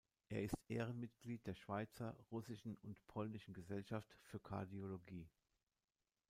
Er ist Ehrenmitglied der Schweizer, Russischen und Polnischen Gesellschaft für Kardiologie.